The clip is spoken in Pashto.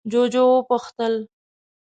جُوجُو وپوښتل: